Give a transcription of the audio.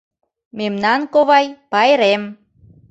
Мемнан, ковай, пайрем.